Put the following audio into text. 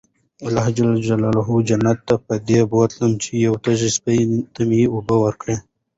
الله جنت ته پدې بوتله چې يو تږي سپي ته ئي اوبه ورکړي وي